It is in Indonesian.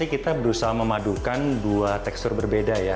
kita berusaha memadukan dua tekstur berbeda ya